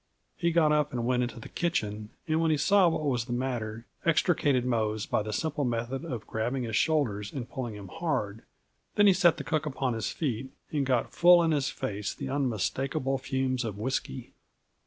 He got up and went into the kitchen, and when he saw what was, the matter, extricated Mose by the simple method of grabbing his shoulders and pulling hard; then he set the cook upon his feet, and got full in his face the unmistakable fumes of whisky.